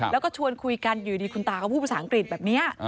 แล้วก็ชวนคุยกันอยู่ดีคุณตาก็พูดภาษาอังกฤษแบบนี้